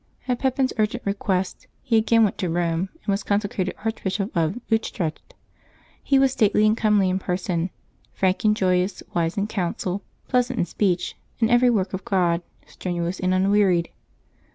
At Pepin's urgent request, he again went to Eome, and was consecrated Archbishop of Utrecht. He was stately and comely in person, frank and joyous, wise in counsel, pleasant in speech, in every work of God strenuous and unwearied.